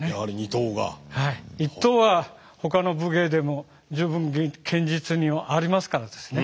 一刀はほかの武芸でも十分剣術にありますからですね